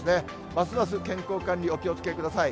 ますます健康管理、お気をつけください。